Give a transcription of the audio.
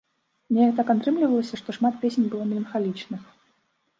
Неяк так атрымлівалася, што шмат песень было меланхалічных.